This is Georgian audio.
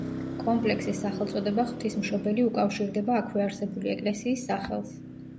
კომპლექსის სახელწოდება „ღვთისმშობელი“, უკავშირდება აქვე არსებული ეკლესიის სახელს.